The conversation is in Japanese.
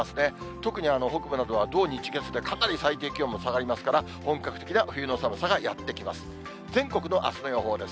特に北部などは土、日、月でかなり最低気温も下がりますから、本格的な冬の寒さがやって来ます。